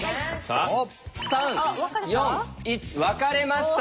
「３」「４」「１」分かれました。